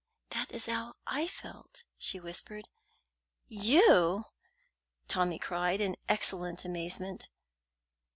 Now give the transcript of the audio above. "That is how I felt," she whispered. "You!" Tommy cried, in excellent amazement.